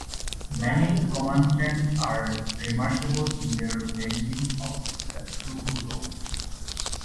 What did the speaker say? Many commandments are remarkable in their blending of the two roles.